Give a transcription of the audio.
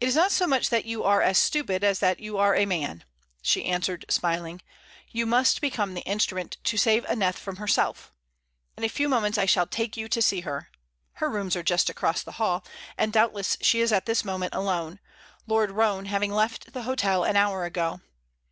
"It is not so much that you are stupid as that you are a man," she answered, smiling. "You must become the instrument to save Aneth from herself. In a few moments I shall take you to see her. Her rooms are just across the hall, and doubtless she is at this moment alone, Lord Roane having left the hotel an hour ago.